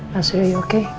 pak surya you oke